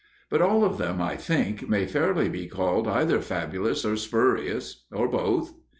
But all of them, I think, may fairly be called either fabulous or spurious, or both.